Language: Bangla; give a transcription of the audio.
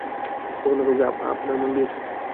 কখনও কাউকে আপনার মন দিয়েছ?